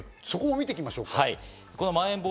そこを見ていきましょうか。